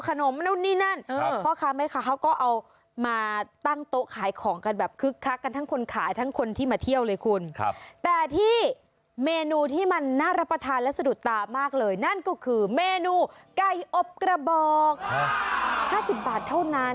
คุณครับแต่ที่เมนูที่มันน่ารับประทานและสลุดตามากเลยนั่นก็คือเมนูไก่อบกระบ่อง๕๑๐บาทเท่านั้น